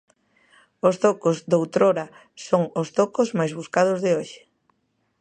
Os zocos doutrora son os zocos máis buscados de hoxe.